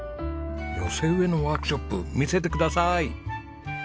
寄せ植えのワークショップ見せてください。